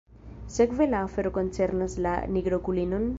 Sekve la afero koncernas la nigrokulinon?